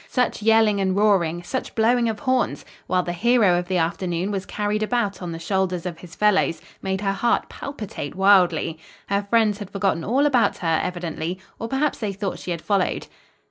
Such yelling and roaring, such blowing of horns while the hero of the afternoon was carried about on the shoulders of his fellows, made her heart palpitate wildly. Her friends had forgotten all about her, evidently, or perhaps they thought she had followed.